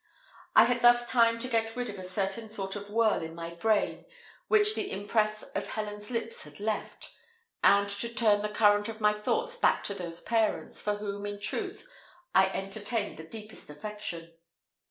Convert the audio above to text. I had thus time to get rid of a certain sort of whirl in my brain, which the impress of Helen's lips had left, and to turn the current of my thoughts back to those parents, for whom in truth I entertained the deepest affection.